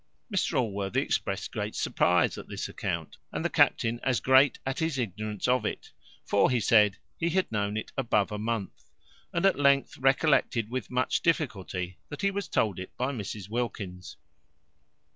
Mr Allworthy exprest great surprize at this account, and the captain as great at his ignorance of it; for he said he had known it above a month: and at length recollected with much difficulty that he was told it by Mrs Wilkins.